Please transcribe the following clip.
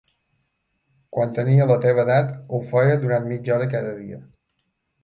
Quan tenia la teva edat, ho feia durant mitja hora cada dia.